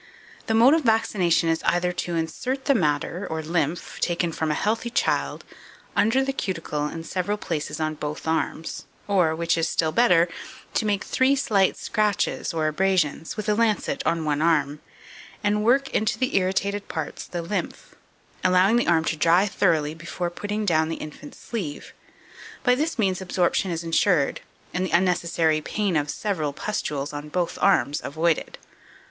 The mode of vaccination is either to insert the matter, or lymph, taken from a healthy child, under the cuticle in several places on both arms, or, which is still better, to make three slight scratches, or abrasions, with a lancet on one arm in this manner, ,,",, and work into the irritated parts the lymph, allowing the arm to dry thoroughly before putting down the infant's sleeve; by this means absorption is insured, and the unnecessary pain of several pustules on both arms avoided.